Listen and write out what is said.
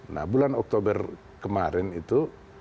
nah bulan oktober kemarin itu